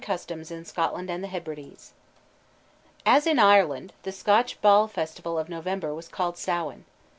'" CHAPTER VIII IN SCOTLAND AND THE HEBRIDES As in Ireland the Scotch Baal festival of November was called Samhain.